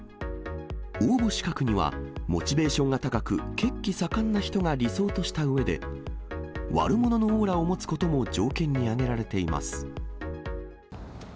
応募資格には、モチベーションが高く、血気盛んな人が理想としたうえで、悪者のオーラを持つことも条件に挙げられています。